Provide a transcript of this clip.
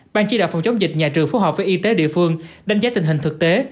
ban chỉ đạo phòng chống dịch nhà trường phù hợp với y tế địa phương đánh giá tình hình thực tế